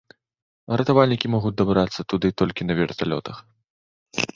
Ратавальнікі могуць дабрацца туды толькі на верталётах.